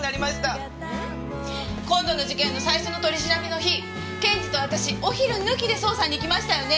ん？今度の事件の最初の取り調べの日検事と私お昼抜きで捜査に行きましたよね？